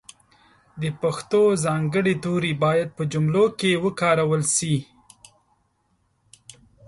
د پښتو ځانګړي توري باید په جملو کښې وکارول سي.